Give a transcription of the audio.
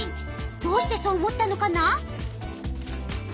どうしてそう思ったのかな？